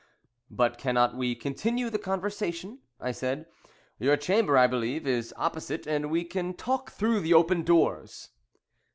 "But cannot we continue the conversation?" I said. "Your chamber, I believe, is opposite, and we can talk through the open doors."